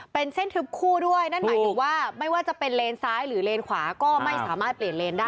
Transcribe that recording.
เป็นเส้นทึบคู่ด้วยนั่นหมายถึงว่าไม่ว่าจะเป็นเลนซ้ายหรือเลนขวาก็ไม่สามารถเปลี่ยนเลนได้